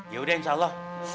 ya udah insya allah